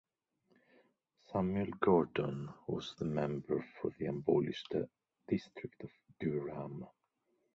Samuel Gordon was the member for the abolished district of Durham.